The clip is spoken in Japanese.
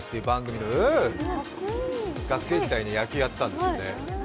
学生時代に野球やってたんですよね。